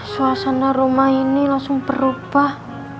suasana rumah ini langsung berubah